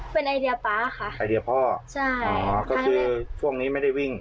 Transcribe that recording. เป็นไอเดียป๊าค่ะไอเดียพ่อใช่อ๋อก็คือช่วงนี้ไม่ได้วิ่ง